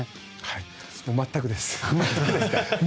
全くです。